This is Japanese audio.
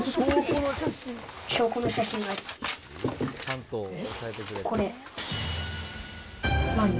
証拠の写真が、これ。